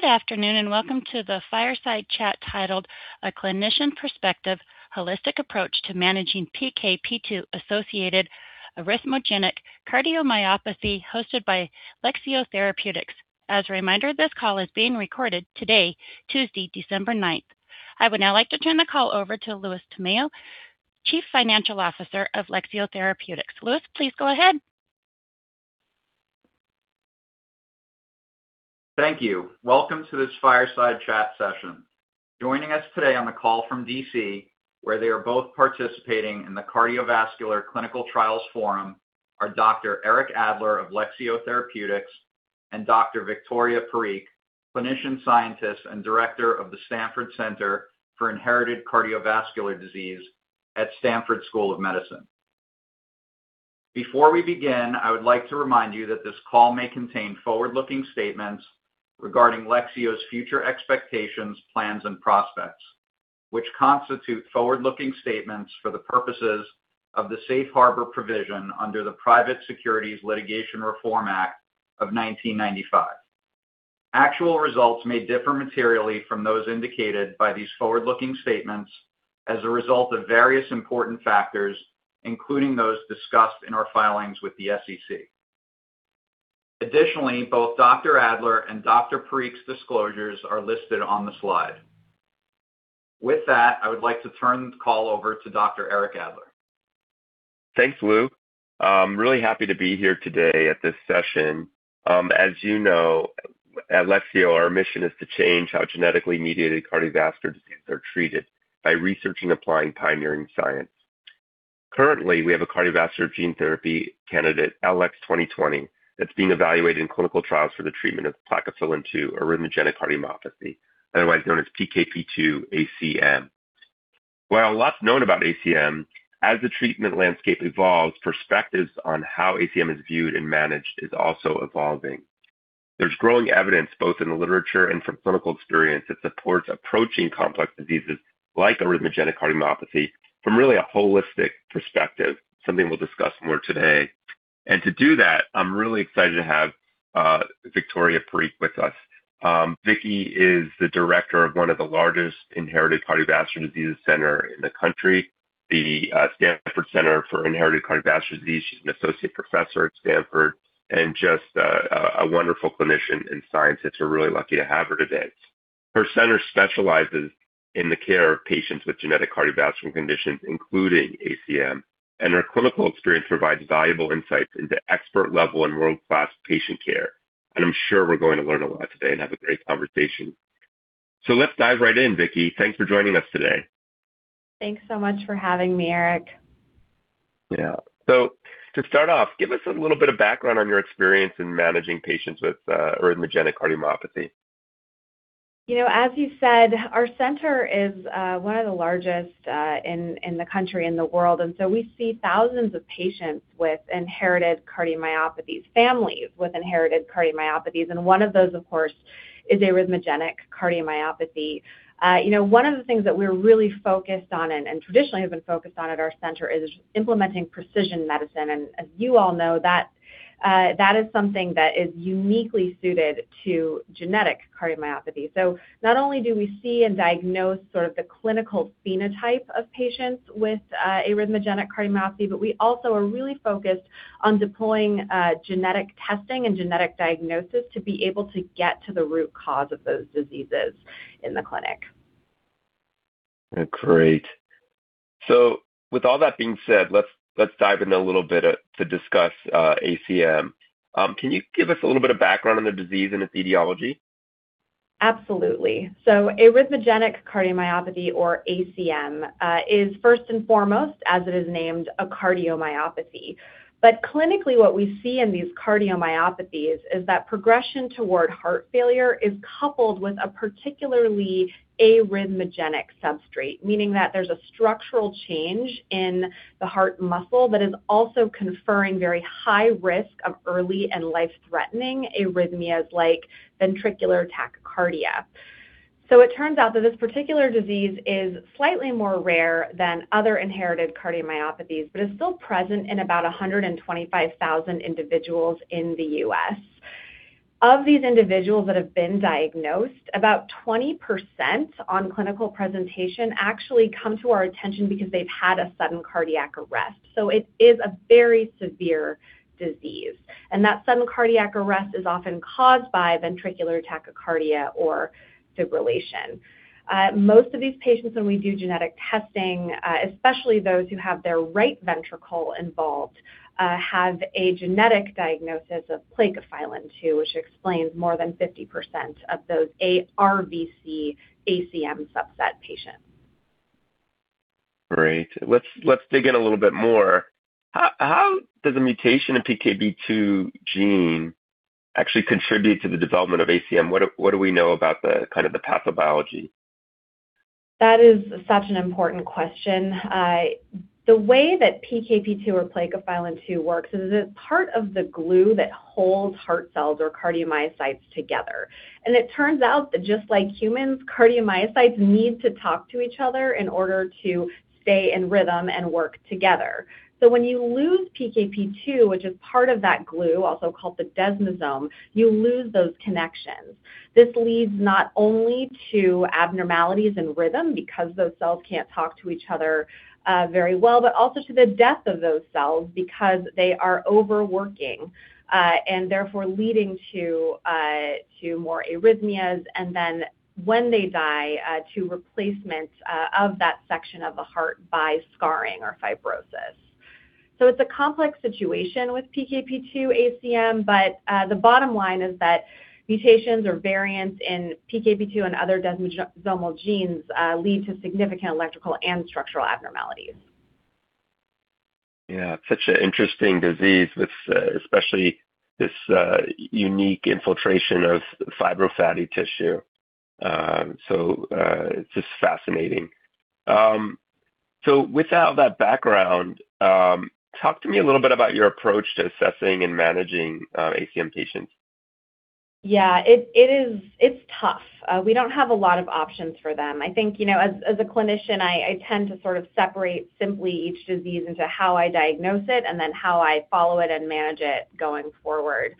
Good afternoon and welcome to the fireside chat titled, "A Clinician Perspective: Holistic Approach to Managing PKP2-Associated Arrhythmogenic Cardiomyopathy," hosted by Lexeo Therapeutics. As a reminder, this call is being recorded today, Tuesday, December 9th. I would now like to turn the call over to Louis Tamayo, Chief Financial Officer of Lexeo Therapeutics. Louis, please go ahead. Thank you. Welcome to this fireside chat session. Joining us today on the call from D.C., where they are both participating in the Cardiovascular Clinical Trials Forum, are Dr. Eric Adler of Lexeo Therapeutics and Dr. Victoria Parikh, Clinician Scientist and Director of the Stanford Center for Inherited Cardiovascular Disease at Stanford School of Medicine. Before we begin, I would like to remind you that this call may contain forward-looking statements regarding Lexeo's future expectations, plans, and prospects, which constitute forward-looking statements for the purposes of the safe harbor provision under the Private Securities Litigation Reform Act of 1995. Actual results may differ materially from those indicated by these forward-looking statements as a result of various important factors, including those discussed in our filings with the SEC. Additionally, both Dr. Adler and Dr. Parikh's disclosures are listed on the slide. With that, I would like to turn the call over to Dr. Eric Adler. Thanks, Lou. I'm really happy to be here today at this session. As you know, at Lexeo, our mission is to change how genetically mediated cardiovascular diseases are treated by research and applying pioneering science. Currently, we have a cardiovascular gene therapy candidate, LX2020, that's being evaluated in clinical trials for the treatment of Plakophilin-2 Arrhythmogenic Cardiomyopathy, otherwise known as PKP2 ACM. While a lot's known about ACM, as the treatment landscape evolves, perspectives on how ACM is viewed and managed are also evolving. There's growing evidence, both in the literature and from clinical experience, that supports approaching complex diseases like Arrhythmogenic Cardiomyopathy from really a holistic perspective, something we'll discuss more today, and to do that, I'm really excited to have Victoria Parikh with us. Vicky is the director of one of the largest inherited cardiovascular diseases centers in the country, the Stanford Center for Inherited Cardiovascular Disease. She's an associate professor at Stanford and just a wonderful clinician and scientist. We're really lucky to have her today. Her center specializes in the care of patients with genetic cardiovascular conditions, including ACM, and her clinical experience provides valuable insights into expert-level and world-class patient care. And I'm sure we're going to learn a lot today and have a great conversation. So let's dive right in, Vicky. Thanks for joining us today. Thanks so much for having me, Eric. Yeah. So to start off, give us a little bit of background on your experience in managing patients with Arrhythmogenic Cardiomyopathy. You know, as you said, our center is one of the largest in the country, in the world, and so we see thousands of patients with inherited cardiomyopathies, families with inherited cardiomyopathies. And one of those, of course, is Arrhythmogenic Cardiomyopathy. You know, one of the things that we're really focused on and traditionally have been focused on at our center is implementing precision medicine, and as you all know, that is something that is uniquely suited to genetic cardiomyopathy, so not only do we see and diagnose sort of the clinical phenotype of patients with Arrhythmogenic Cardiomyopathy, but we also are really focused on deploying genetic testing and genetic diagnosis to be able to get to the root cause of those diseases in the clinic. Great. So with all that being said, let's dive in a little bit to discuss ACM. Can you give us a little bit of background on the disease and its etiology? Absolutely. So Arrhythmogenic Cardiomyopathy, or ACM, is first and foremost, as it is named, a cardiomyopathy. But clinically, what we see in these cardiomyopathies is that progression toward heart failure is coupled with a particularly arrhythmogenic substrate, meaning that there's a structural change in the heart muscle that is also conferring very high risk of early and life-threatening arrhythmias like ventricular tachycardia. So it turns out that this particular disease is slightly more rare than other inherited cardiomyopathies, but is still present in about 125,000 individuals in the U.S. Of these individuals that have been diagnosed, about 20% on clinical presentation actually come to our attention because they've had a sudden cardiac arrest. So it is a very severe disease. And that sudden cardiac arrest is often caused by ventricular tachycardia or fibrillation. Most of these patients, when we do genetic testing, especially those who have their right ventricle involved, have a genetic diagnosis of Plakophilin-2, which explains more than 50% of those ARVC ACM subset patients. Great. Let's dig in a little bit more. How does a mutation in PKP2 gene actually contribute to the development of ACM? What do we know about the kind of pathobiology? That is such an important question. The way that PKP2 or Plakophilin-2 works is it's part of the glue that holds heart cells or cardiomyocytes together. And it turns out that just like humans, cardiomyocytes need to talk to each other in order to stay in rhythm and work together. So when you lose PKP2, which is part of that glue, also called the desmosome, you lose those connections. This leads not only to abnormalities in rhythm because those cells can't talk to each other very well, but also to the death of those cells because they are overworking and therefore leading to more arrhythmias and then when they die, to replacement of that section of the heart by scarring or fibrosis. So it's a complex situation with PKP2 ACM, but the bottom line is that mutations or variants in PKP2 and other desmosomal genes lead to significant electrical and structural abnormalities. Yeah. It's such an interesting disease, especially this unique infiltration of fibrofatty tissue. So it's just fascinating. So with all that background, talk to me a little bit about your approach to assessing and managing ACM patients? Yeah. It's tough. We don't have a lot of options for them. I think, you know, as a clinician, I tend to sort of separate simply each disease into how I diagnose it and then how I follow it and manage it going forward.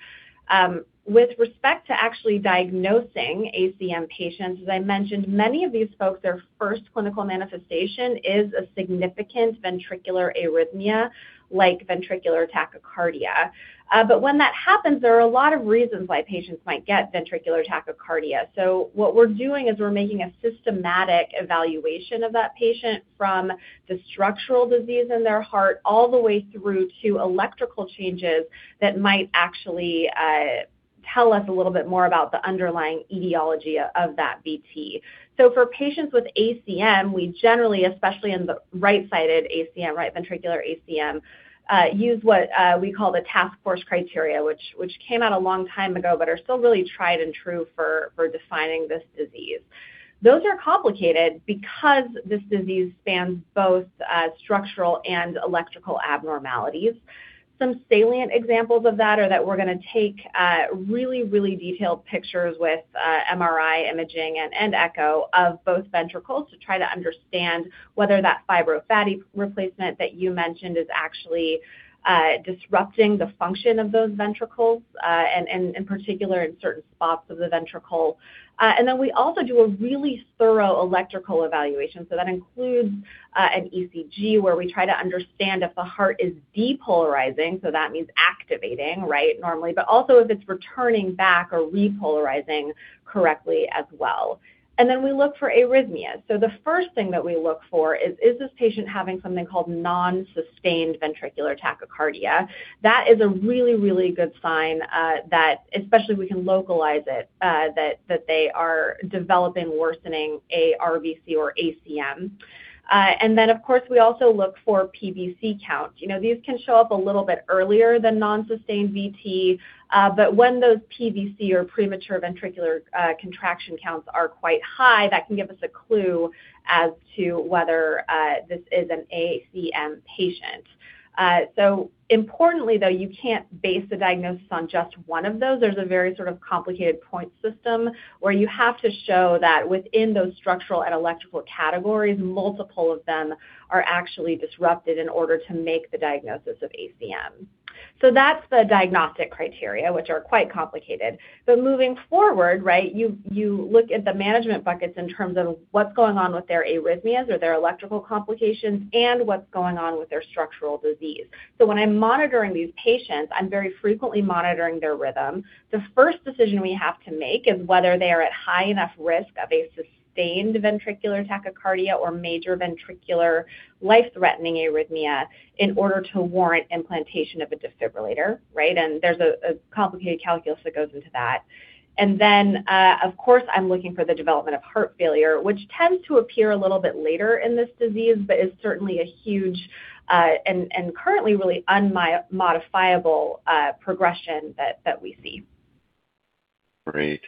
With respect to actually diagnosing ACM patients, as I mentioned, many of these folks, their first clinical manifestation is a significant ventricular arrhythmia, like ventricular tachycardia. But when that happens, there are a lot of reasons why patients might get ventricular tachycardia. So what we're doing is we're making a systematic evaluation of that patient from the structural disease in their heart all the way through to electrical changes that might actually tell us a little bit more about the underlying etiology of that VT. So for patients with ACM, we generally, especially in the right-sided ACM, right ventricular ACM, use what we call the Task Force criteria, which came out a long time ago, but are still really tried and true for defining this disease. Those are complicated because this disease spans both structural and electrical abnormalities. Some salient examples of that are that we're going to take really, really detailed pictures with MRI imaging and echo of both ventricles to try to understand whether that fibrofatty replacement that you mentioned is actually disrupting the function of those ventricles, and in particular in certain spots of the ventricle. And then we also do a really thorough electrical evaluation. So that includes an ECG where we try to understand if the heart is depolarizing, so that means activating, right, normally, but also if it's returning back or repolarizing correctly as well. And then we look for arrhythmias. So the first thing that we look for is this patient having something called non-sustained ventricular tachycardia? That is a really, really good sign that, especially if we can localize it, that they are developing worsening ARVC or ACM. And then, of course, we also look for PVC count. You know, these can show up a little bit earlier than non-sustained VT, but when those PVC or premature ventricular contraction counts are quite high, that can give us a clue as to whether this is an ACM patient. So importantly, though, you can't base the diagnosis on just one of those. There's a very sort of complicated point system where you have to show that within those structural and electrical categories, multiple of them are actually disrupted in order to make the diagnosis of ACM. So that's the diagnostic criteria, which are quite complicated. But moving forward, right, you look at the management buckets in terms of what's going on with their arrhythmias or their electrical complications and what's going on with their structural disease. So when I'm monitoring these patients, I'm very frequently monitoring their rhythm. The first decision we have to make is whether they are at high enough risk of a sustained ventricular tachycardia or major ventricular life-threatening arrhythmia in order to warrant implantation of a defibrillator, right? And there's a complicated calculus that goes into that. And then, of course, I'm looking for the development of heart failure, which tends to appear a little bit later in this disease, but is certainly a huge and currently really unmodifiable progression that we see. Great.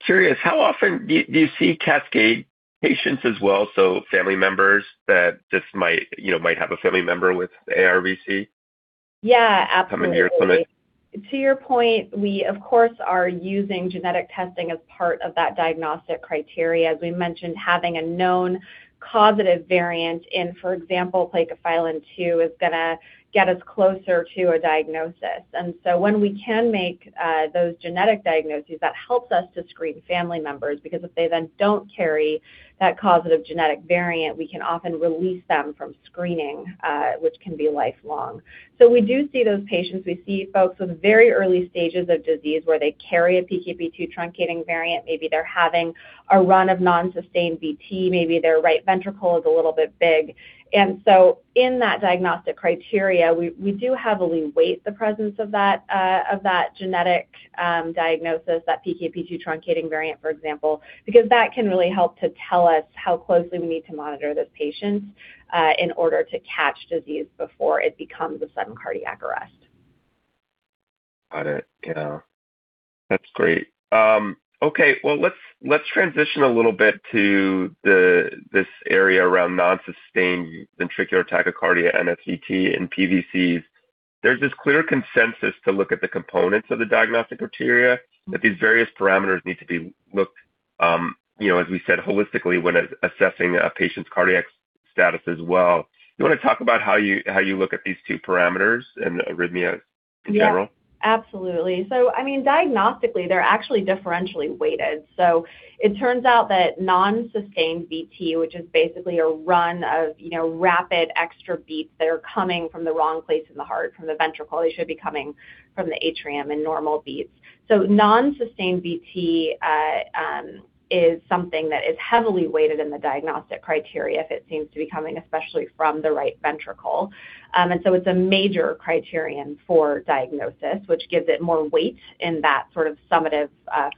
Curious, how often do you see cascade patients as well? So family members that just might, you know, might have a family member with ARVC? Yeah, absolutely. Come in your clinic. To your point, we, of course, are using genetic testing as part of that diagnostic criteria. As we mentioned, having a known causative variant in, for example, Plakophilin-2 is going to get us closer to a diagnosis. And so when we can make those genetic diagnoses, that helps us to screen family members because if they then don't carry that causative genetic variant, we can often release them from screening, which can be lifelong. So we do see those patients. We see folks with very early stages of disease where they carry a PKP2 truncating variant. Maybe they're having a run of non-sustained VT. Maybe their right ventricle is a little bit big. In that diagnostic criteria, we do heavily weigh the presence of that genetic diagnosis, that PKP2 truncating variant, for example, because that can really help to tell us how closely we need to monitor this patient in order to catch disease before it becomes a sudden cardiac arrest. Got it. Yeah. That's great. Okay. Well, let's transition a little bit to this area around non-sustained ventricular tachycardia and SVT and PVCs. There's this clear consensus to look at the components of the diagnostic criteria, that these various parameters need to be looked, you know, as we said, holistically when assessing a patient's cardiac status as well. You want to talk about how you look at these two parameters and arrhythmias in general? Yeah, absolutely. So, I mean, diagnostically, they're actually differentially weighted. So it turns out that non-sustained VT, which is basically a run of, you know, rapid extra beats that are coming from the wrong place in the heart, from the ventricle, they should be coming from the atrium in normal beats. So non-sustained VT is something that is heavily weighted in the diagnostic criteria if it seems to be coming especially from the right ventricle. And so it's a major criterion for diagnosis, which gives it more weight in that sort of summative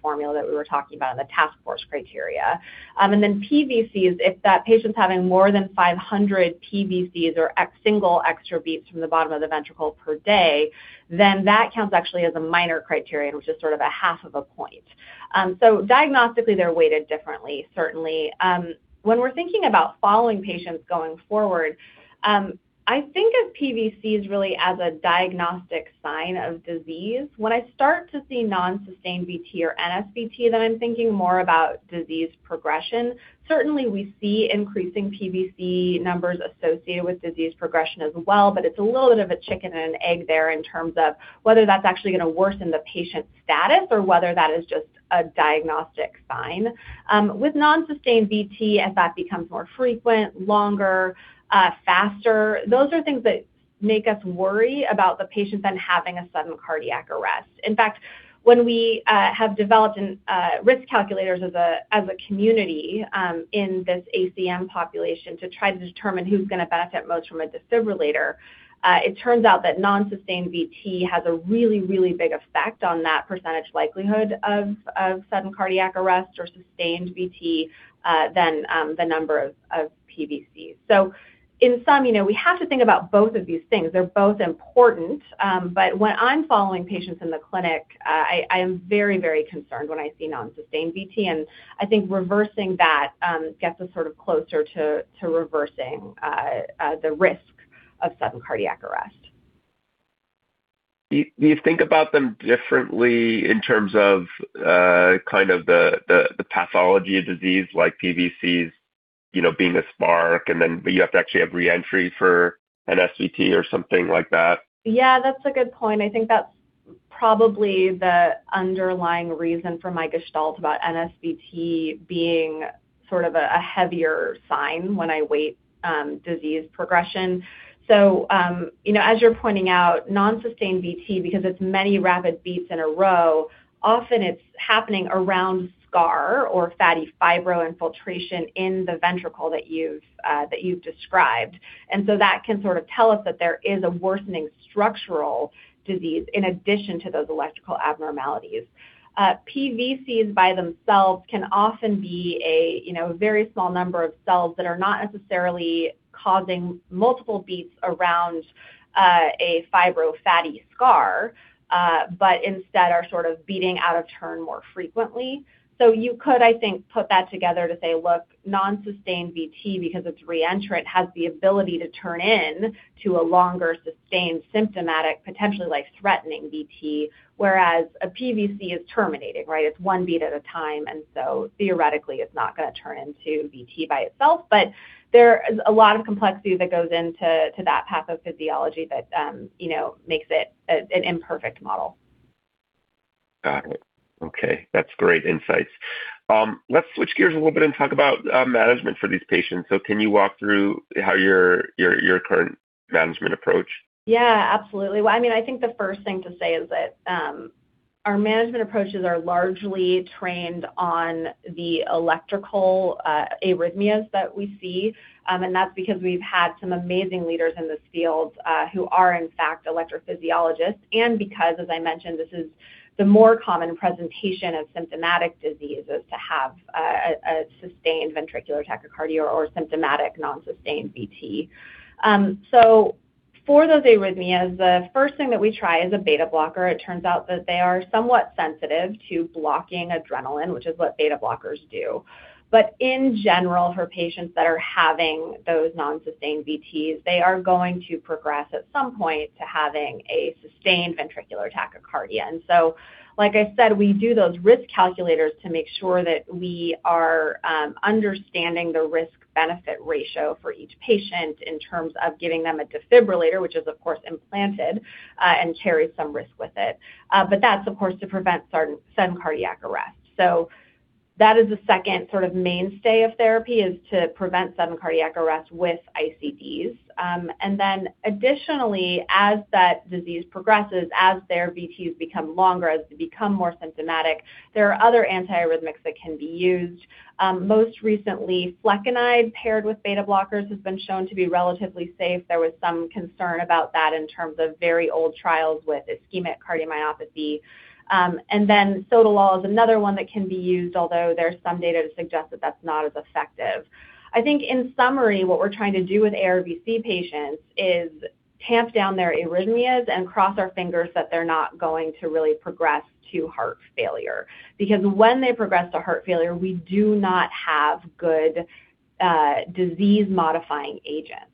formula that we were talking about in the task force criteria. And then PVCs, if that patient's having more than 500 PVCs or single extra beats from the bottom of the ventricle per day, then that counts actually as a minor criterion, which is sort of a half of a point. So diagnostically, they're weighted differently, certainly. When we're thinking about following patients going forward, I think of PVCs really as a diagnostic sign of disease. When I start to see non-sustained VT or NSVT, then I'm thinking more about disease progression. Certainly, we see increasing PVC numbers associated with disease progression as well, but it's a little bit of a chicken and an egg there in terms of whether that's actually going to worsen the patient's status or whether that is just a diagnostic sign. With non-sustained VT, if that becomes more frequent, longer, faster, those are things that make us worry about the patient then having a sudden cardiac arrest. In fact, when we have developed risk calculators as a community in this ACM population to try to determine who's going to benefit most from a defibrillator, it turns out that non-sustained VT has a really, really big effect on that percentage likelihood of sudden cardiac arrest or sustained VT than the number of PVCs, so in sum, you know, we have to think about both of these things, they're both important, but when I'm following patients in the clinic, I am very, very concerned when I see non-sustained VT, and I think reversing that gets us sort of closer to reversing the risk of sudden cardiac arrest. Do you think about them differently in terms of kind of the pathology of disease, like PVCs, you know, being a spark, and then you have to actually have reentry for an SVT or something like that? Yeah, that's a good point. I think that's probably the underlying reason for my gestalt about NSVT being sort of a heavier sign when I weigh disease progression. So, you know, as you're pointing out, non-sustained VT, because it's many rapid beats in a row, often it's happening around scar or fibrofatty infiltration in the ventricle that you've described. And so that can sort of tell us that there is a worsening structural disease in addition to those electrical abnormalities. PVCs by themselves can often be a, you know, very small number of cells that are not necessarily causing multiple beats around a fibrofatty scar, but instead are sort of beating out of turn more frequently. So you could, I think, put that together to say, look, non-sustained VT, because it's reentrant, has the ability to turn into a longer sustained symptomatic, potentially life-threatening VT, whereas a PVC is terminating, right? It's one beat at a time. And so theoretically, it's not going to turn into VT by itself. But there is a lot of complexity that goes into that pathophysiology that, you know, makes it an imperfect model. Got it. Okay. That's great insights. Let's switch gears a little bit and talk about management for these patients. So can you walk through how your current management approach? Yeah, absolutely, well, I mean, I think the first thing to say is that our management approaches are largely trained on the electrical arrhythmias that we see, and that's because we've had some amazing leaders in this field who are, in fact, electrophysiologists, and because, as I mentioned, this is the more common presentation of symptomatic diseases to have a sustained ventricular tachycardia or symptomatic non-sustained VT, so for those arrhythmias, the first thing that we try is a beta blocker. It turns out that they are somewhat sensitive to blocking adrenaline, which is what beta blockers do, but in general, for patients that are having those non-sustained VTs, they are going to progress at some point to having a sustained ventricular tachycardia. And so, like I said, we do those risk calculators to make sure that we are understanding the risk-benefit ratio for each patient in terms of giving them a defibrillator, which is, of course, implanted and carries some risk with it. But that's, of course, to prevent sudden cardiac arrest. So that is the second sort of mainstay of therapy is to prevent sudden cardiac arrest with ICDs. And then additionally, as that disease progresses, as their VTs become longer, as they become more symptomatic, there are other antiarrhythmics that can be used. Most recently, flecainide paired with beta blockers has been shown to be relatively safe. There was some concern about that in terms of very old trials with ischemic cardiomyopathy. And then sotalol is another one that can be used, although there's some data to suggest that that's not as effective. I think in summary, what we're trying to do with ARVC patients is tamp down their arrhythmias and cross our fingers that they're not going to really progress to heart failure. Because when they progress to heart failure, we do not have good disease-modifying agents.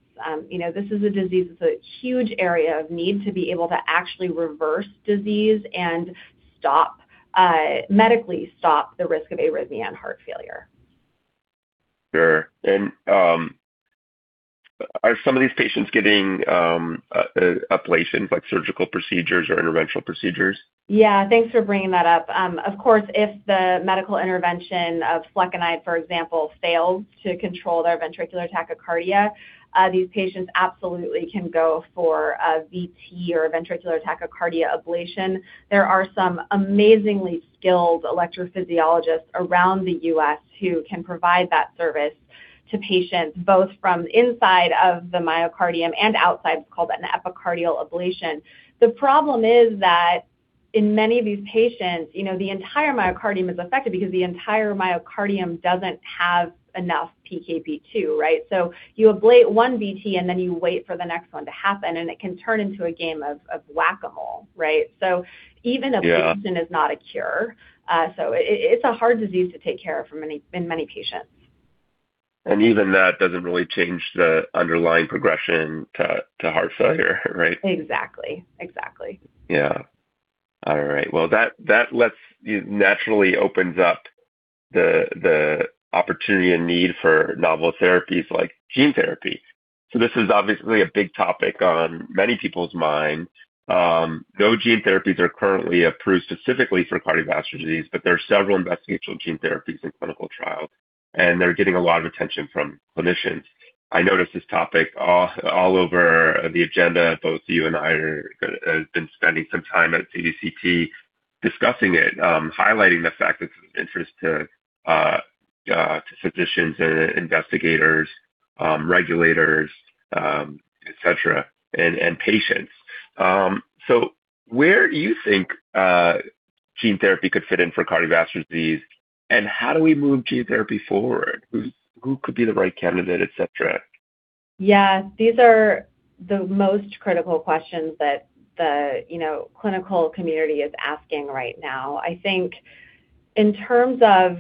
You know, this is a disease that's a huge area of need to be able to actually reverse disease and medically stop the risk of arrhythmia and heart failure. Sure. And are some of these patients getting ablations, like surgical procedures or interventional procedures? Yeah, thanks for bringing that up. Of course, if the medical intervention of flecainide, for example, fails to control their ventricular tachycardia, these patients absolutely can go for a VT or ventricular tachycardia ablation. There are some amazingly skilled electrophysiologists around the U.S. who can provide that service to patients both from inside of the myocardium and outside. It's called an epicardial ablation. The problem is that in many of these patients, you know, the entire myocardium is affected because the entire myocardium doesn't have enough PKP2, right? So you ablate one VT and then you wait for the next one to happen, and it can turn into a game of Whac-A-Mole, right? So even ablation is not a cure. So it's a hard disease to take care of in many patients. Even that doesn't really change the underlying progression to heart failure, right? Exactly. Exactly. Yeah. All right, well, that naturally opens up the opportunity and need for novel therapies like gene therapy, so this is obviously a big topic on many people's minds. No gene therapies are currently approved specifically for cardiovascular disease, but there are several investigational gene therapies in clinical trials, and they're getting a lot of attention from clinicians. I noticed this topic all over the agenda. Both you and I have been spending some time at CVCT discussing it, highlighting the fact that there's interest to physicians and investigators, regulators, etc., and patients, so where do you think gene therapy could fit in for cardiovascular disease? And how do we move gene therapy forward? Who could be the right candidate, etc.? Yeah, these are the most critical questions that the, you know, clinical community is asking right now. I think in terms of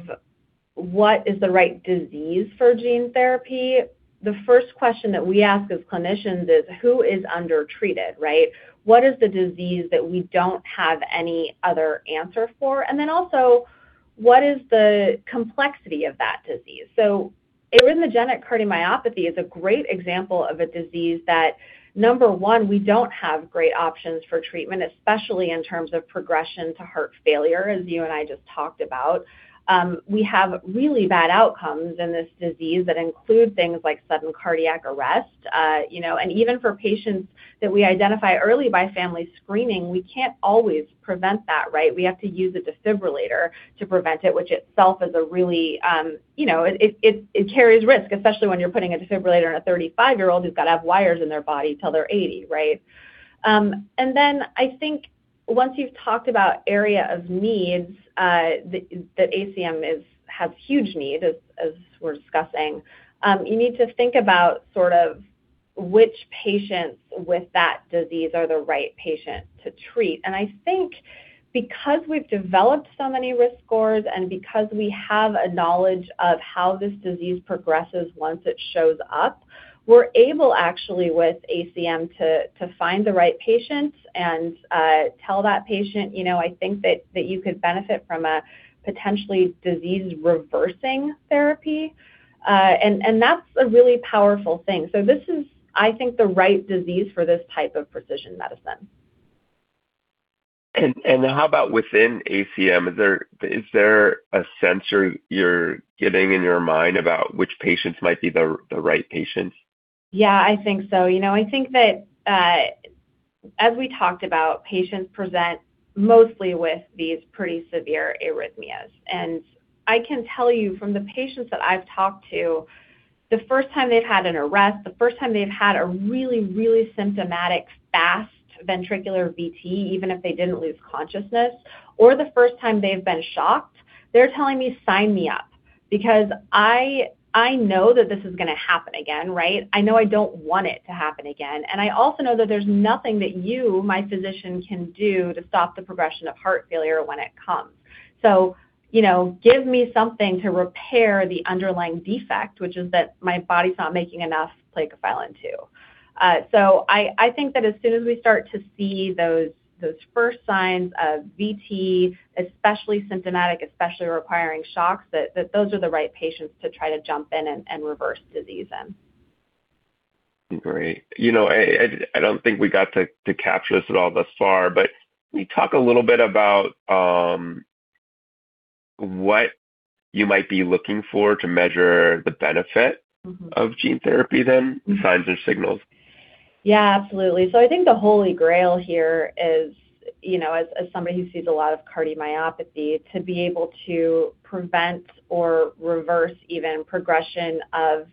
what is the right disease for gene therapy, the first question that we ask as clinicians is, who is undertreated, right? What is the disease that we don't have any other answer for? And then also, what is the complexity of that disease? So arrhythmogenic cardiomyopathy is a great example of a disease that, number one, we don't have great options for treatment, especially in terms of progression to heart failure, as you and I just talked about. We have really bad outcomes in this disease that include things like sudden cardiac arrest. You know, and even for patients that we identify early by family screening, we can't always prevent that, right? We have to use a defibrillator to prevent it, which itself is a really, you know, it carries risk, especially when you're putting a defibrillator in a 35-year-old who's got to have wires in their body till they're 80, right? And then I think once you've talked about area of needs that ACM has huge needs, as we're discussing, you need to think about sort of which patients with that disease are the right patient to treat. And I think because we've developed so many risk scores and because we have a knowledge of how this disease progresses once it shows up, we're able actually with ACM to find the right patient and tell that patient, you know, I think that you could benefit from a potentially disease-reversing therapy. And that's a really powerful thing. So this is, I think, the right disease for this type of precision medicine. How about within ACM? Is there a sense you're getting in your mind about which patients might be the right patients? Yeah, I think so. You know, I think that as we talked about, patients present mostly with these pretty severe arrhythmias. And I can tell you from the patients that I've talked to, the first time they've had an arrest, the first time they've had a really, really symptomatic fast ventricular VT, even if they didn't lose consciousness, or the first time they've been shocked, they're telling me, "Sign me up." Because I know that this is going to happen again, right? I know I don't want it to happen again. And I also know that there's nothing that you, my physician, can do to stop the progression of heart failure when it comes. So, you know, give me something to repair the underlying defect, which is that my body's not making enough plakophilin-2. So I think that as soon as we start to see those first signs of VT, especially symptomatic, especially requiring shocks, that those are the right patients to try to jump in and reverse disease in. Great. You know, I don't think we got to capture this at all thus far, but can you talk a little bit about what you might be looking for to measure the benefit of gene therapy then, the signs and signals? Yeah, absolutely. So I think the holy grail here is, you know, as somebody who sees a lot of cardiomyopathy, to be able to prevent or reverse even progression of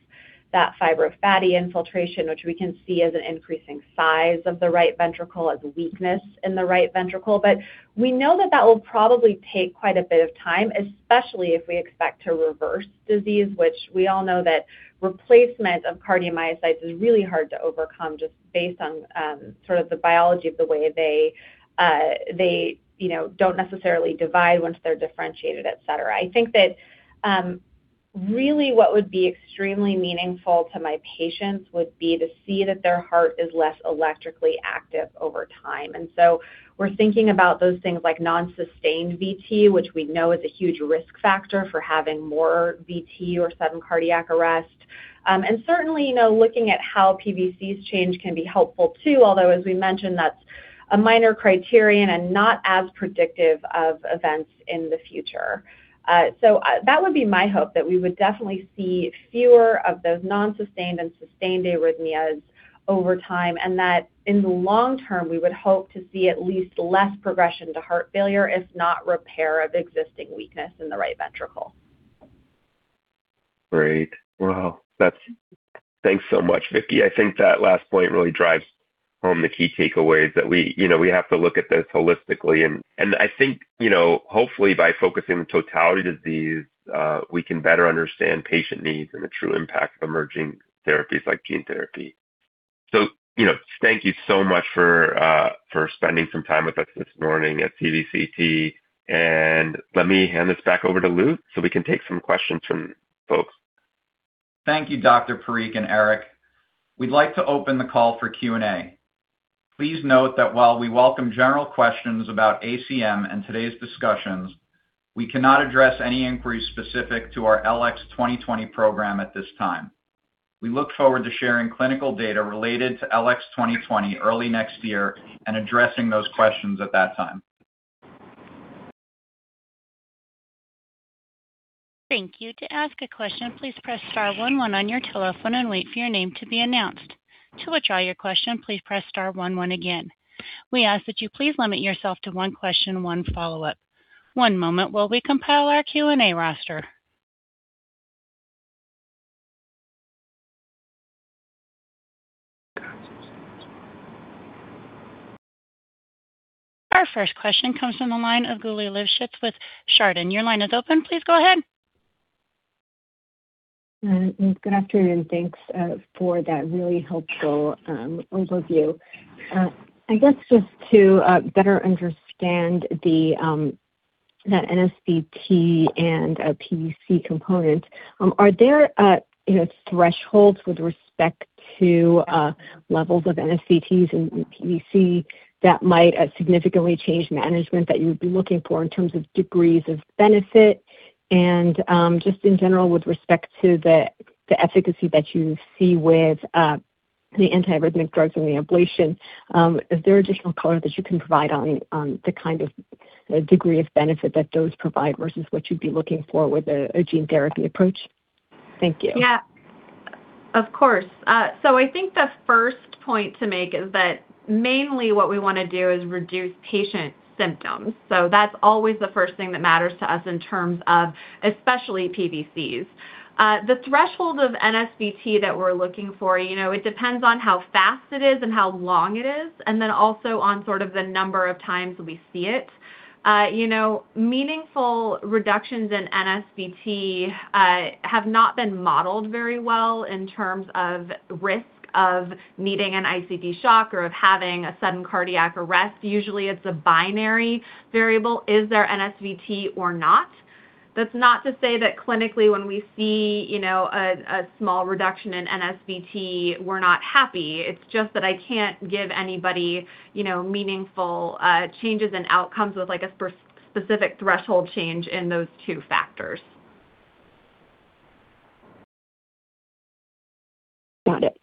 that fibrofatty infiltration, which we can see as an increasing size of the right ventricle, as weakness in the right ventricle. But we know that that will probably take quite a bit of time, especially if we expect to reverse disease, which we all know that replacement of cardiomyocytes is really hard to overcome just based on sort of the biology of the way they, you know, don't necessarily divide once they're differentiated, etc. I think that really what would be extremely meaningful to my patients would be to see that their heart is less electrically active over time. And so we're thinking about those things like non-sustained VT, which we know is a huge risk factor for having more VT or sudden cardiac arrest. And certainly, you know, looking at how PVCs change can be helpful too, although, as we mentioned, that's a minor criterion and not as predictive of events in the future. So that would be my hope that we would definitely see fewer of those non-sustained and sustained arrhythmias over time, and that in the long term, we would hope to see at least less progression to heart failure, if not repair of existing weakness in the right ventricle. Great. Well, thanks so much, Vicki. I think that last point really drives home the key takeaways that we, you know, we have to look at this holistically. And I think, you know, hopefully by focusing on totality disease, we can better understand patient needs and the true impact of emerging therapies like gene therapy. So, you know, thank you so much for spending some time with us this morning at CVCT. And let me hand this back over to Luke so we can take some questions from folks. Thank you, Dr. Parikh and Eric. We'd like to open the call for Q&A. Please note that while we welcome general questions about ACM and today's discussions, we cannot address any inquiries specific to our LX2020 program at this time. We look forward to sharing clinical data related to LX2020 early next year and addressing those questions at that time. Thank you. To ask a question, please press star 11 on your telephone and wait for your name to be announced. To withdraw your question, please press star 11 again. We ask that you please limit yourself to one question, one follow-up. One moment while we compile our Q&A roster. Our first question comes from the line of Gula Lifshitz with Chardan. Your line is open. Please go ahead. Good afternoon. Thanks for that really helpful overview. I guess just to better understand that NSVT and PVC component, are there thresholds with respect to levels of NSVTs and PVC that might significantly change management that you would be looking for in terms of degrees of benefit? And just in general, with respect to the efficacy that you see with the antiarrhythmic drugs and the ablation, is there additional color that you can provide on the kind of degree of benefit that those provide versus what you'd be looking for with a gene therapy approach? Thank you. Yeah, of course. So I think the first point to make is that mainly what we want to do is reduce patient symptoms. So that's always the first thing that matters to us in terms of especially PVCs. The threshold of NSVT that we're looking for, you know, it depends on how fast it is and how long it is, and then also on sort of the number of times we see it. You know, meaningful reductions in NSVT have not been modeled very well in terms of risk of needing an ICD shock or of having a sudden cardiac arrest. Usually, it's a binary variable: is there NSVT or not? That's not to say that clinically when we see, you know, a small reduction in NSVT, we're not happy. It's just that I can't give anybody, you know, meaningful changes in outcomes with like a specific threshold change in those two factors. Got it.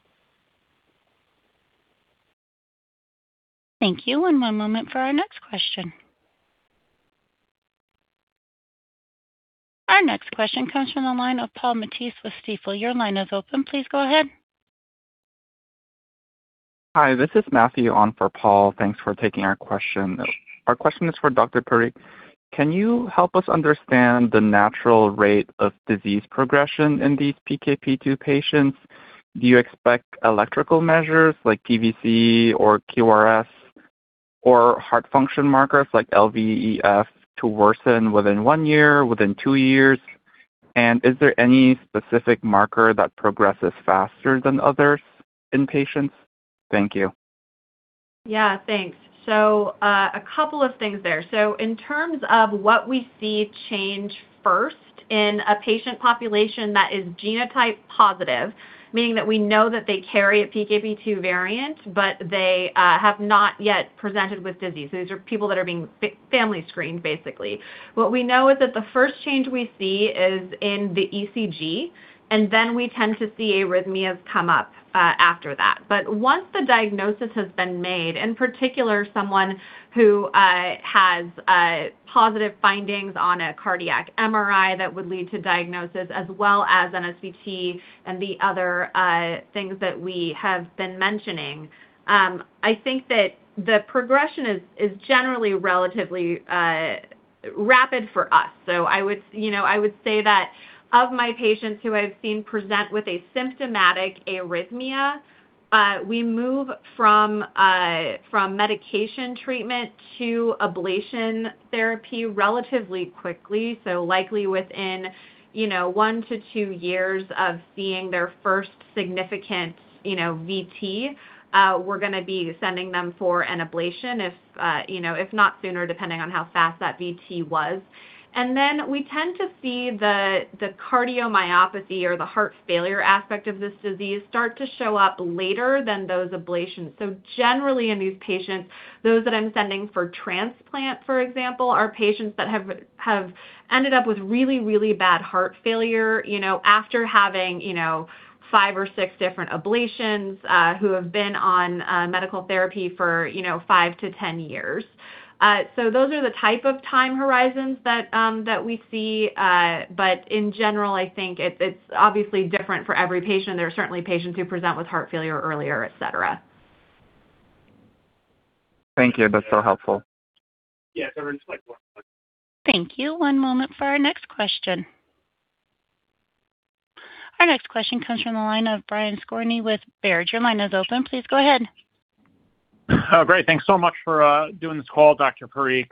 Thank you. And one moment for our next question. Our next question comes from the line of Paul Matteis with Stifel. Your line is open. Please go ahead. Hi, this is Matthew on for Paul. Thanks for taking our question. Our question is for Dr. Parikh. Can you help us understand the natural rate of disease progression in these PKP2 patients? Do you expect electrical measures like PVC or QRS or heart function markers like LVEF to worsen within one year, within two years? And is there any specific marker that progresses faster than others in patients? Thank you. Yeah, thanks, so a couple of things there, so in terms of what we see change first in a patient population that is genotype positive, meaning that we know that they carry a PKP2 variant, but they have not yet presented with disease. These are people that are being family screened, basically. What we know is that the first change we see is in the ECG, and then we tend to see arrhythmias come up after that, but once the diagnosis has been made, in particular, someone who has positive findings on a cardiac MRI that would lead to diagnosis, as well as NSVT and the other things that we have been mentioning, I think that the progression is generally relatively rapid for us. So I would, you know, I would say that of my patients who I've seen present with a symptomatic arrhythmia, we move from medication treatment to ablation therapy relatively quickly. So likely within, you know, one to two years of seeing their first significant, you know, VT, we're going to be sending them for an ablation, if, you know, if not sooner, depending on how fast that VT was. And then we tend to see the cardiomyopathy or the heart failure aspect of this disease start to show up later than those ablations. So generally in these patients, those that I'm sending for transplant, for example, are patients that have ended up with really, really bad heart failure, you know, after having, you know, five or six different ablations who have been on medical therapy for, you know, five to ten years. So those are the type of time horizons that we see. But in general, I think it's obviously different for every patient. There are certainly patients who present with heart failure earlier, etc. Thank you. That's so helpful. Thank you. One moment for our next question. Our next question comes from the line of Brian Skorney with Baird. Your line is open. Please go ahead. Oh, great. Thanks so much for doing this call, Dr. Parikh.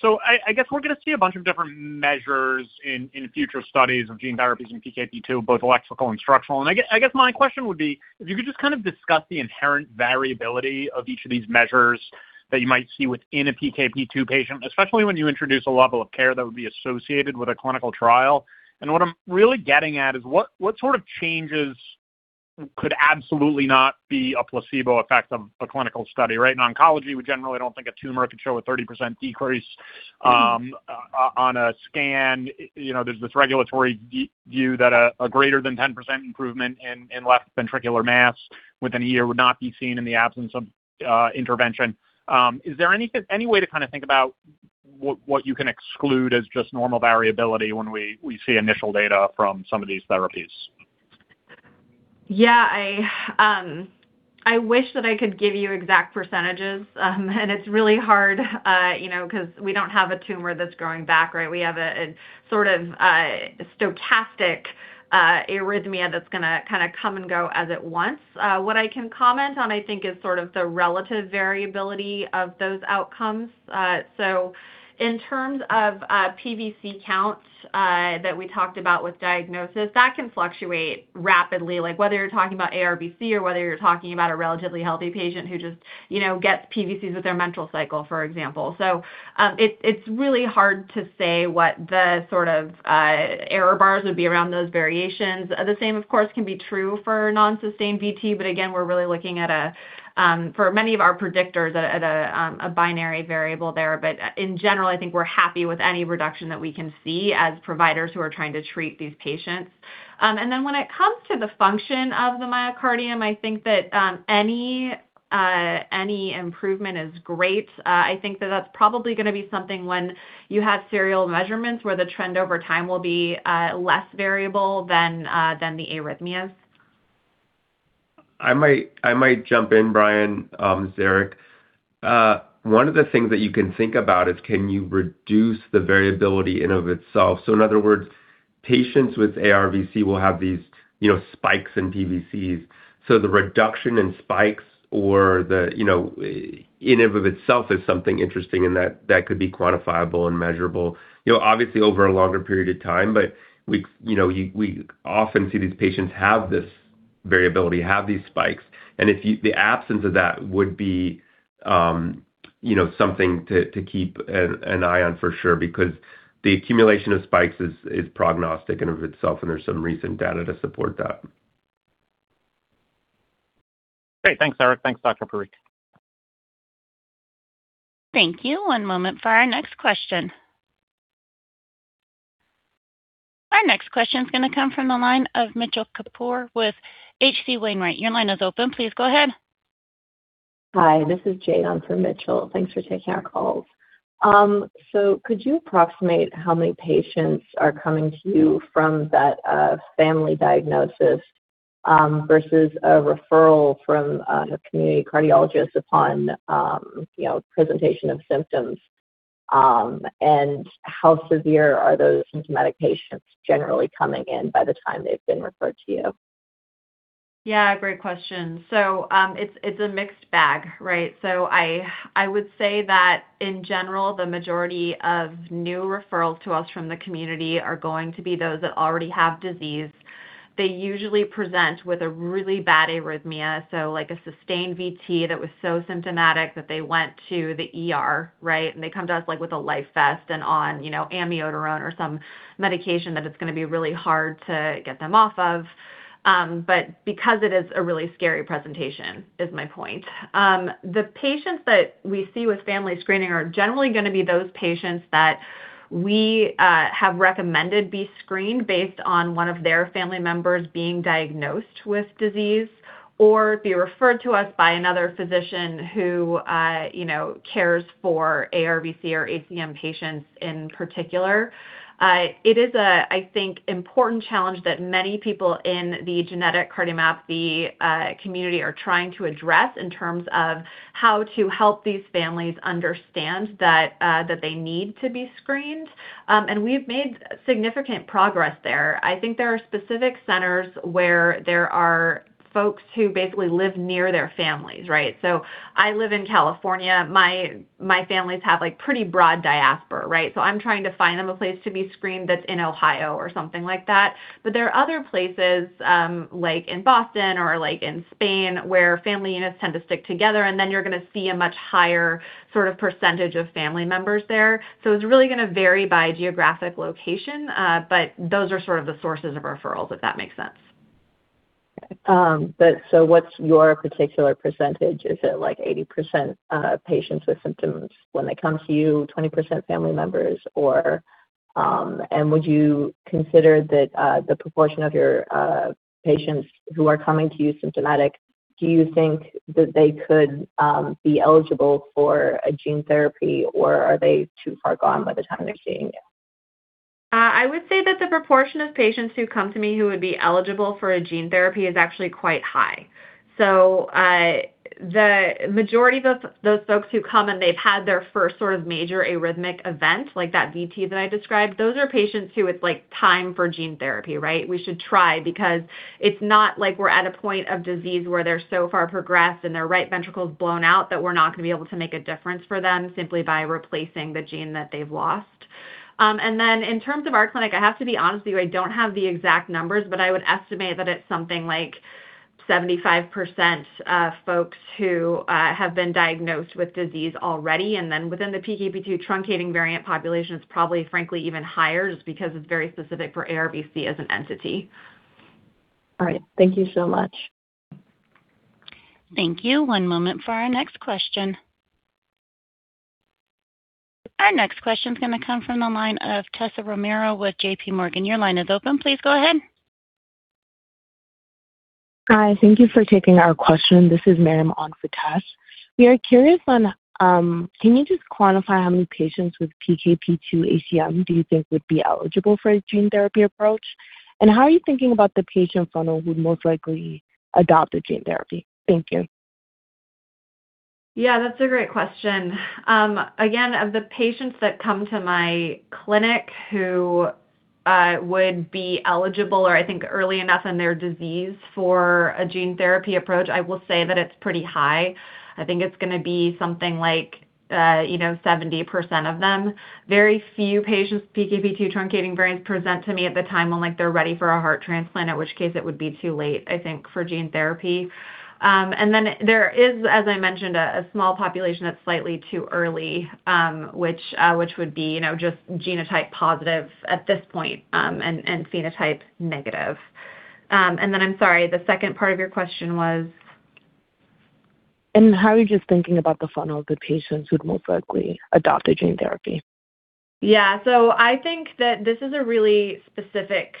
So I guess we're going to see a bunch of different measures in future studies of gene therapies and PKP2, both electrical and structural. And I guess my question would be, if you could just kind of discuss the inherent variability of each of these measures that you might see within a PKP2 patient, especially when you introduce a level of care that would be associated with a clinical trial. And what I'm really getting at is what sort of changes could absolutely not be a placebo effect of a clinical study, right? In oncology, we generally don't think a tumor could show a 30% decrease on a scan. You know, there's this regulatory view that a greater than 10% improvement in left ventricular mass within a year would not be seen in the absence of intervention. Is there any way to kind of think about what you can exclude as just normal variability when we see initial data from some of these therapies? Yeah, I wish that I could give you exact percentages, and it's really hard, you know, because we don't have a tumor that's growing back, right? We have a sort of stochastic arrhythmia that's going to kind of come and go as it wants. What I can comment on, I think, is sort of the relative variability of those outcomes, so in terms of PVC count that we talked about with diagnosis, that can fluctuate rapidly, like whether you're talking about ARVC or whether you're talking about a relatively healthy patient who just, you know, gets PVCs with their menstrual cycle, for example, so it's really hard to say what the sort of error bars would be around those variations. The same, of course, can be true for non-sustained VT, but again, we're really looking at, for many of our predictors, at a binary variable there. But in general, I think we're happy with any reduction that we can see as providers who are trying to treat these patients. And then when it comes to the function of the myocardium, I think that any improvement is great. I think that that's probably going to be something when you have serial measurements where the trend over time will be less variable than the arrhythmias. I might jump in, Brian, as Eric. One of the things that you can think about is, can you reduce the variability in and of itself? So in other words, patients with ARVC will have these, you know, spikes in PVCs. So the reduction in spikes or the, you know, in and of itself is something interesting and that could be quantifiable and measurable, you know, obviously over a longer period of time. But we, you know, we often see these patients have this variability, have these spikes, and the absence of that would be, you know, something to keep an eye on for sure because the accumulation of spikes is prognostic in and of itself, and there's some recent data to support that. Great. Thanks, Eric. Thanks, Dr. Parikh. Thank you. One moment for our next question. Our next question is going to come from the line of Mitchell Kapoor with H.C. Wainwright. Your line is open. Please go ahead. Hi, this is Jane on for Mitchell. Thanks for taking our calls. So could you approximate how many patients are coming to you from that family diagnosis versus a referral from a community cardiologist upon, you know, presentation of symptoms? And how severe are those symptomatic patients generally coming in by the time they've been referred to you? Yeah, great question. So it's a mixed bag, right? So I would say that in general, the majority of new referrals to us from the community are going to be those that already have disease. They usually present with a really bad arrhythmia, so like a sustained VT that was so symptomatic that they went to the ER. And they come to us like with a LifeVest and on, you know, Amiodarone or some medication that it's going to be really hard to get them off of. But because it is a really scary presentation is my point. The patients that we see with family screening are generally going to be those patients that we have recommended be screened based on one of their family members being diagnosed with disease or be referred to us by another physician who, you know, cares for ARVC or ACM patients in particular. It is, I think, an important challenge that many people in the genetic cardiomyopathy community are trying to address in terms of how to help these families understand that they need to be screened. And we've made significant progress there. I think there are specific centers where there are folks who basically live near their families, right? So I live in California. My families have like pretty broad diaspora, right? So I'm trying to find them a place to be screened that's in Ohio or something like that. But there are other places like in Boston or like in Spain where family units tend to stick together, and then you're going to see a much higher sort of percentage of family members there. So it's really going to vary by geographic location, but those are sort of the sources of referrals, if that makes sense. But so what's your particular percentage? Is it like 80% patients with symptoms when they come to you, 20% family members? And would you consider that the proportion of your patients who are coming to you symptomatic, do you think that they could be eligible for a gene therapy, or are they too far gone by the time they're seeing you? I would say that the proportion of patients who come to me who would be eligible for a gene therapy is actually quite high. So the majority of those folks who come and they've had their first sort of major arrhythmic event, like that VT that I described, those are patients who it's like time for gene therapy, right? We should try because it's not like we're at a point of disease where they're so far progressed and their right ventricle is blown out that we're not going to be able to make a difference for them simply by replacing the gene that they've lost. And then in terms of our clinic, I have to be honest with you, I don't have the exact numbers, but I would estimate that it's something like 75% folks who have been diagnosed with disease already. And then within the PKP2 truncating variant population, it's probably, frankly, even higher just because it's very specific for ARVC as an entity. All right. Thank you so much. Thank you. One moment for our next question. Our next question is going to come from the line of Tessa Romero with J.P. Morgan. Your line is open. Please go ahead. Hi, thank you for taking our question. This is Maryam on for Tessa. We are curious on, can you just quantify how many patients with PKP2 ACM do you think would be eligible for a gene therapy approach? And how are you thinking about the patient funnel who would most likely adopt a gene therapy? Thank you. Yeah, that's a great question. Again, of the patients that come to my clinic who would be eligible or I think early enough in their disease for a gene therapy approach, I will say that it's pretty high. I think it's going to be something like, you know, 70% of them. Very few patients with PKP2 truncating variants present to me at the time when like they're ready for a heart transplant, at which case it would be too late, I think, for gene therapy. And then there is, as I mentioned, a small population that's slightly too early, which would be, you know, just genotype positive at this point and phenotype negative. And then I'm sorry, the second part of your question was? How are you just thinking about the funnel that patients would most likely adopt a gene therapy? Yeah, so I think that this is a really specific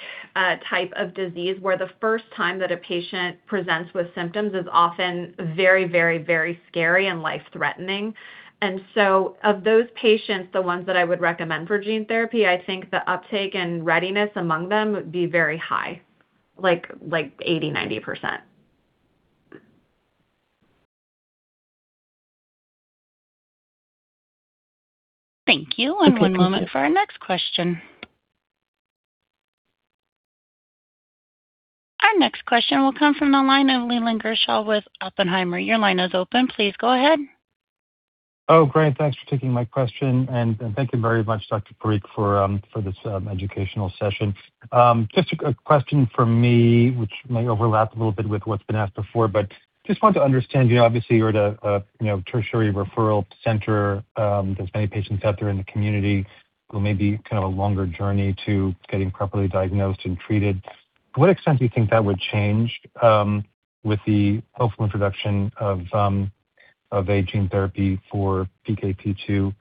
type of disease where the first time that a patient presents with symptoms is often very, very, very scary and life-threatening, and so of those patients, the ones that I would recommend for gene therapy, I think the uptake and readiness among them would be very high, like 80%-90%. Thank you. And one moment for our next question. Our next question will come from the line of Leland Gershell with Oppenheimer. Your line is open. Please go ahead. Oh, great. Thanks for taking my question and thank you very much, Dr. Parikh, for this educational session. Just a question for me, which may overlap a little bit with what's been asked before, but just want to understand, you know, obviously you're at a, you know, tertiary referral center. There's many patients out there in the community who may be kind of a longer journey to getting properly diagnosed and treated. To what extent do you think that would change with the hopeful introduction of a gene therapy for PKP2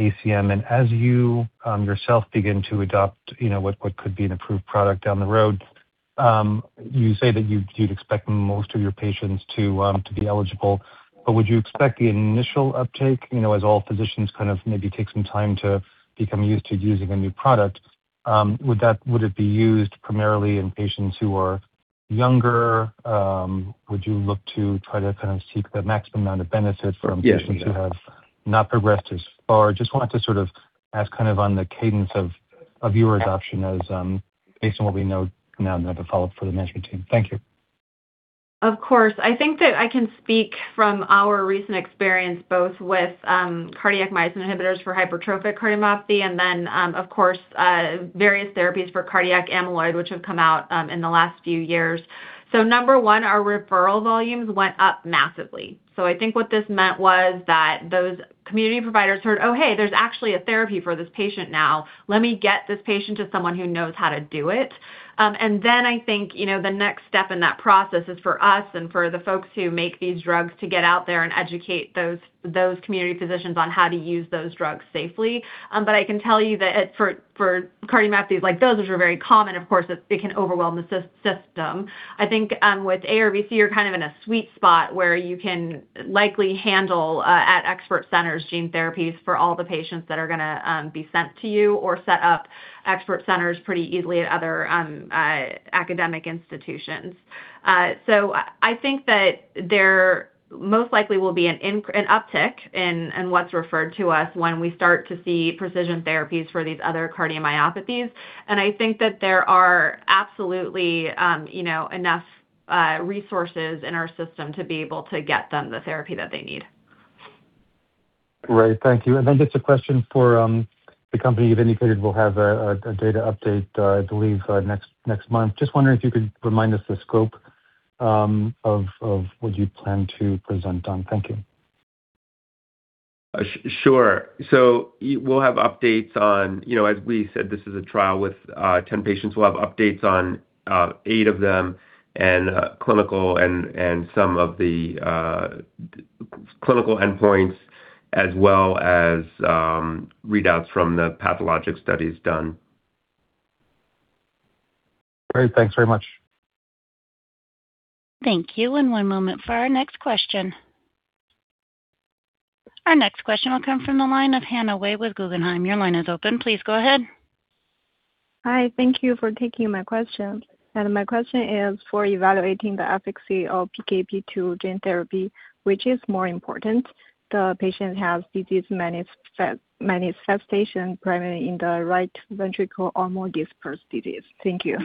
ACM? And as you yourself begin to adopt, you know, what could be an approved product down the road, you say that you'd expect most of your patients to be eligible. But would you expect the initial uptake, you know, as all physicians kind of maybe take some time to become used to using a new product, would it be used primarily in patients who are younger? Would you look to try to kind of seek the maximum amount of benefit from patients who have not progressed as far? Just want to sort of ask kind of on the cadence of your adoption as based on what we know now and then to follow up for the management team. Thank you. Of course. I think that I can speak from our recent experience both with cardiac myosin inhibitors for hypertrophic cardiomyopathy and then, of course, various therapies for cardiac amyloid, which have come out in the last few years. So number one, our referral volumes went up massively. So I think what this meant was that those community providers heard, "Oh, hey, there's actually a therapy for this patient now. Let me get this patient to someone who knows how to do it." And then I think, you know, the next step in that process is for us and for the folks who make these drugs to get out there and educate those community physicians on how to use those drugs safely. But I can tell you that for cardiomyopathies like those, which are very common, of course, it can overwhelm the system. I think with ARVC, you're kind of in a sweet spot where you can likely handle at expert centers gene therapies for all the patients that are going to be sent to you or set up expert centers pretty easily at other academic institutions. So I think that there most likely will be an uptick in what's referred to us when we start to see precision therapies for these other cardiomyopathies. And I think that there are absolutely, you know, enough resources in our system to be able to get them the therapy that they need. Right. Thank you. And then just a question for the company you've indicated will have a data update, I believe, next month. Just wondering if you could remind us the scope of what you plan to present on? Thank you. Sure. So we'll have updates on, you know, as we said, this is a trial with 10 patients. We'll have updates on eight of them and clinical and some of the clinical endpoints as well as readouts from the pathologic studies done. Great. Thanks very much. Thank you, and one moment for our next question. Our next question will come from the line of Hana Wei with Guggenheim. Your line is open. Please go ahead. Hi. Thank you for taking my question. And my question is, for evaluating the efficacy of PKP2 gene therapy, which is more important? The patient has disease manifestation primarily in the right ventricle or more dispersed disease. Thank you.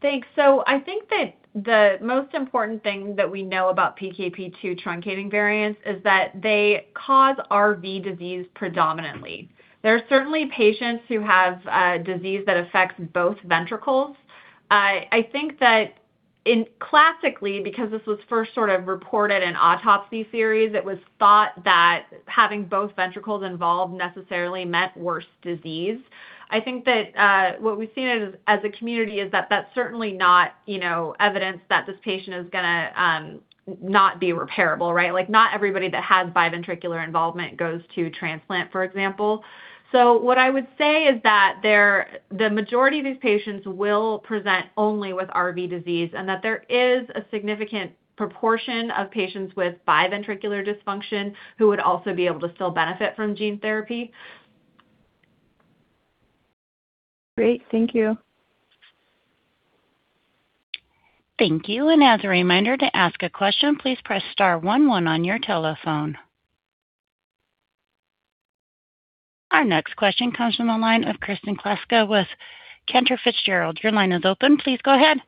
Thanks. So I think that the most important thing that we know about PKP2 truncating variants is that they cause RV disease predominantly. There are certainly patients who have disease that affects both ventricles. I think that classically, because this was first sort of reported in autopsy theories, it was thought that having both ventricles involved necessarily meant worse disease. I think that what we've seen as a community is that that's certainly not, you know, evidence that this patient is going to not be repairable, right? Like not everybody that has biventricular involvement goes to transplant, for example. So what I would say is that the majority of these patients will present only with RV disease and that there is a significant proportion of patients with biventricular dysfunction who would also be able to still benefit from gene therapy. Great. Thank you. Thank you. And as a reminder to ask a question, please press star 11 on your telephone. Our next question comes from the line of Kristen Kluska with Cantor Fitzgerald. Your line is open. Please go ahead.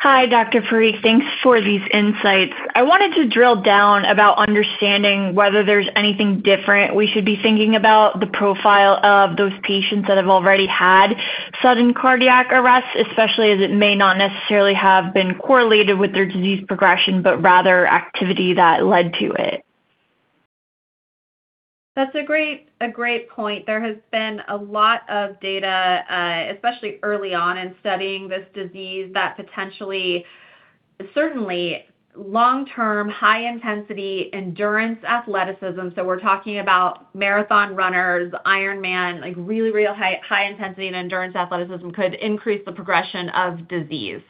Hi, Dr. Parikh. Thanks for these insights. I wanted to drill down about understanding whether there's anything different. We should be thinking about the profile of those patients that have already had sudden cardiac arrest, especially as it may not necessarily have been correlated with their disease progression, but rather activity that led to it. That's a great point. There has been a lot of data, especially early on in studying this disease, that potentially, certainly long-term high-intensity endurance athleticism, so we're talking about marathon runners, Ironman, like really, really high intensity and endurance athleticism could increase the progression of disease.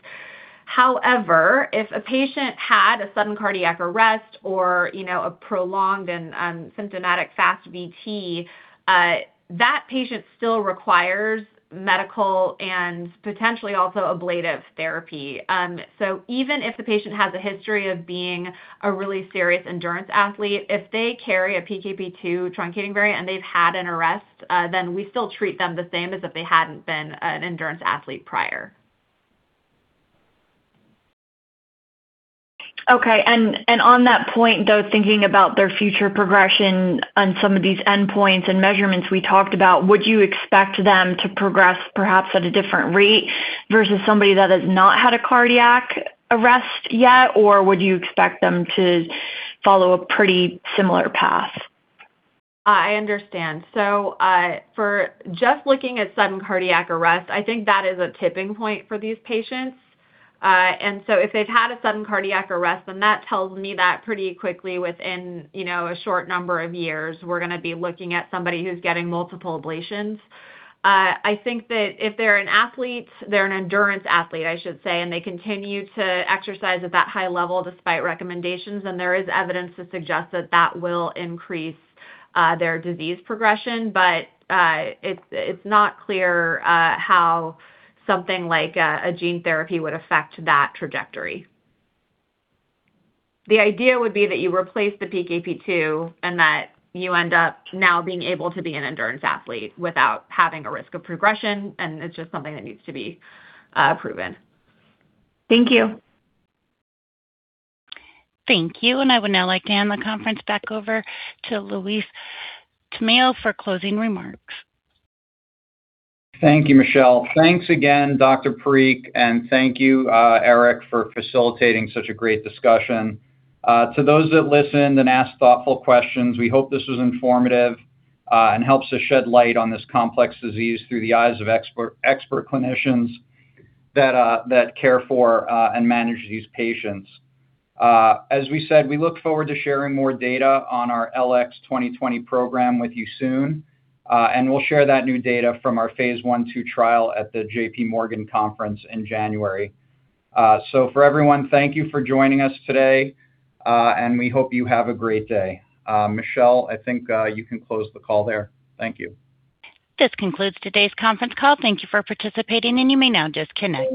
However, if a patient had a sudden cardiac arrest or, you know, a prolonged and symptomatic fast VT, that patient still requires medical and potentially also ablative therapy, so even if the patient has a history of being a really serious endurance athlete, if they carry a PKP2 truncating variant and they've had an arrest, then we still treat them the same as if they hadn't been an endurance athlete prior. Okay, and on that point, though, thinking about their future progression on some of these endpoints and measurements we talked about, would you expect them to progress perhaps at a different rate versus somebody that has not had a cardiac arrest yet, or would you expect them to follow a pretty similar path? I understand. So for just looking at sudden cardiac arrest, I think that is a tipping point for these patients. And so if they've had a sudden cardiac arrest, then that tells me that pretty quickly within, you know, a short number of years, we're going to be looking at somebody who's getting multiple ablations. I think that if they're an athlete, they're an endurance athlete, I should say, and they continue to exercise at that high level despite recommendations, then there is evidence to suggest that that will increase their disease progression. But it's not clear how something like a gene therapy would affect that trajectory. The idea would be that you replace the PKP2 and that you end up now being able to be an endurance athlete without having a risk of progression. And it's just something that needs to be proven. Thank you. Thank you. I would now like to hand the conference back over to Louis Tamayo for closing remarks. Thank you, Michelle. Thanks again, Dr. Parikh, and thank you, Eric, for facilitating such a great discussion. To those that listened and asked thoughtful questions, we hope this was informative and helps to shed light on this complex disease through the eyes of expert clinicians that care for and manage these patients. As we said, we look forward to sharing more data on our LX 2020 program with you soon, and we'll share that new data from our phase one two trial at the J.P. Morgan conference in January. So for everyone, thank you for joining us today, and we hope you have a great day. Michelle, I think you can close the call there. Thank you. This concludes today's conference call. Thank you for participating, and you may now disconnect.